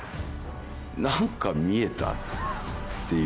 何か見えた」っていう。